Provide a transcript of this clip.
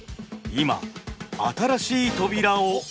今新しい扉を開く。